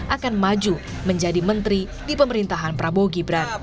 akan maju menjadi menteri di pemerintahan prabowo gibran